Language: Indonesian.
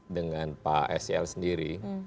dengan pak sel sendiri